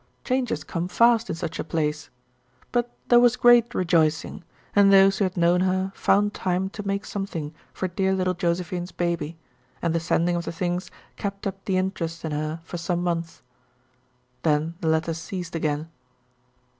Changes come fast in such a place. But there was great rejoicing, and those who had known her found time to make something for dear little Josephine's baby, and the sending of the things kept up the interest in her for some months. Then the letters ceased again.